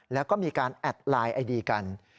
แล้วก็มีการแอดไลน์ไอดีกัน